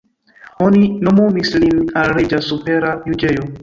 Oni nomumis lin al reĝa supera juĝejo.